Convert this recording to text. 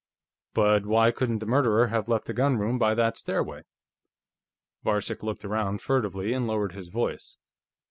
But why couldn't the murderer have left the gunroom by that stairway?" Varcek looked around furtively and lowered his voice.